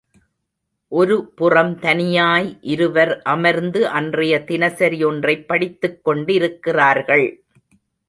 ஒரு புறம் தனியாய் இருவர் அமர்ந்து அன்றைய தினசரி ஒன்றைப் படித்துக்கொண்டிருக்கிறார்கள்.